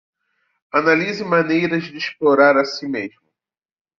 Analise maneiras de explorar a si mesmo